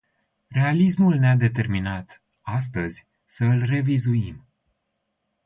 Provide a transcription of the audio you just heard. Realismul ne-a determinat, astăzi, să îl revizuim.